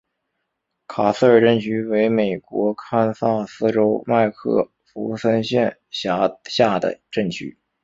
卡斯尔镇区为美国堪萨斯州麦克弗森县辖下的镇区。